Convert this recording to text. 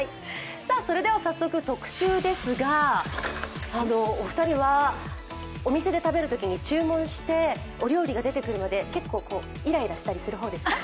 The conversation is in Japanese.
それでは早速特集ですが、お二人はお店で食べるときに注文してお料理が出てくるまで結構イライラする方ですか？